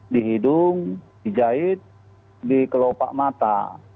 di hidung di jahit di kelopak mata